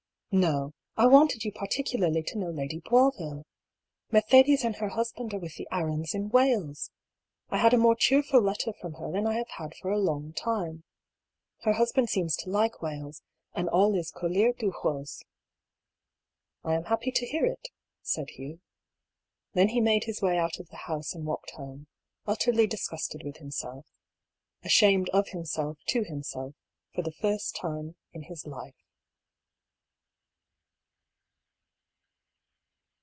No ! I wanted you particularly to know Lady Boisville. Mercedes and her husband are with the Arrans in Wales. I had a more cheerful letter from her than I have had for a long time. Her husband seems to like Wales, and all is couleur de rose^ " I am happy to hear it," said Hugh. Then he made his way out of the house and walked home, utterly dis gusted with himself — ^ashamed of himself to himself for the first time in his life.